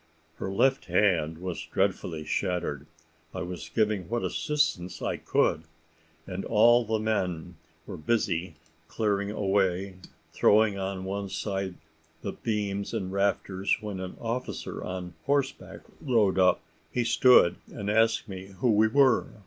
Her left hand was dreadfully shattered. I was giving what assistance I could, and the men were busy clearing away, throwing on one side the beams and rafters, when an officer on horseback rode up. He stood and asked me who we were.